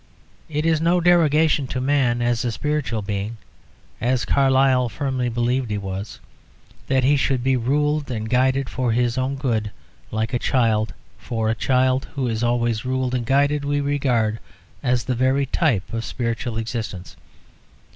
It is no derogation to man as a spiritual being, as Carlyle firmly believed he was, that he should be ruled and guided for his own good like a child for a child who is always ruled and guided we regard as the very type of spiritual existence.